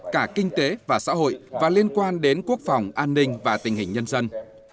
cả kinh tế và xã hội và liên quan đến quốc phòng an ninh và tình hình nhân dân